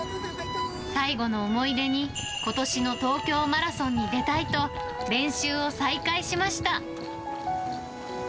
最後の思い出に、ことしの東京マラソンに出たいと、練習を再開しました。